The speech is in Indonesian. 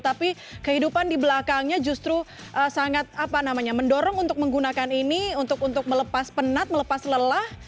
tapi kehidupan di belakangnya justru sangat mendorong untuk menggunakan ini untuk melepas penat melepas lelah